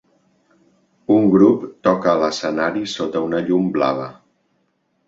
Un grup toca a l'escenari sota una llum blava